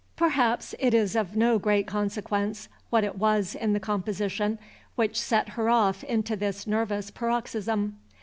Perhaps it is of no great consequence what it was in the composition which set her off into this nervous paroxysm.